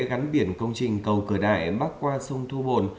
gắn biển công trình cầu cửa đại bắc qua sông thu bồn